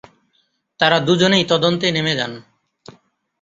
তারা দুজনেই তদন্তে নেমে যান।